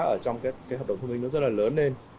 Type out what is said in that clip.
ở trong cái hợp đồng thương minh nó rất là lớn lên